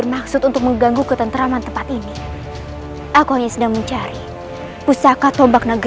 masuklah mereka sekarang